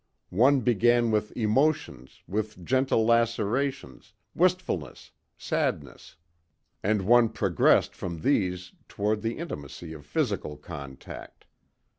One began with emotions, with gentle lacerations, wistfulness, sadness. And one progressed from these toward the intimacy of physical contact.